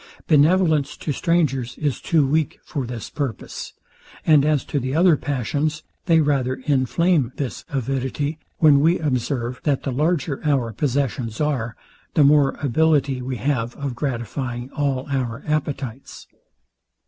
Benevolence to strangers is too weak for this purpose; and as to the other passions, they rather inflame this avidity, when we observe, that the larger our possessions are, the more ability we have of gratifying all our appetites.